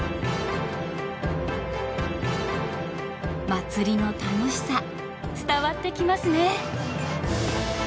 祭りの楽しさ伝わってきますね！